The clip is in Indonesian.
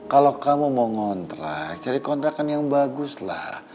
kalau kamu mau ngontrak cari kontrakan yang bagus lah